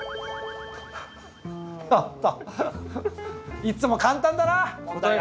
いつも簡単だな問題が！